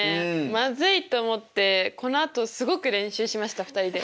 「まずい！」と思ってこのあとすごく練習しました２人で。